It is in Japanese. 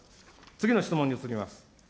次の質問に移ります。